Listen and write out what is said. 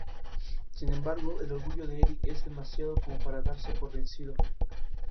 Sin embargo, el orgullo de Eric es demasiado como para darse por vencido.